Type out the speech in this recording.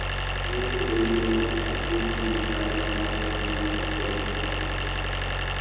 Muchos de ellos desaparecieron y nunca más fueron vistos por sus familias.